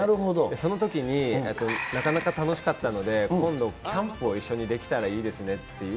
そのときに、なかなか楽しかったので、今度、キャンプを一緒にできたらいいですねっていう。